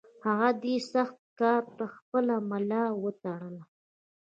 هغه دې سخت کار ته خپله ملا وتړله.